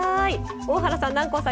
大原さん、南光さん